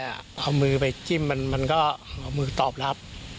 เอามือไปจิ้มมันก็เอามือตอบรับ